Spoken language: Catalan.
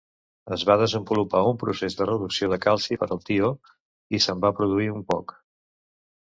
Es va desenvolupar un procés de reducció del calci per al tió, i se'n va produir un poc.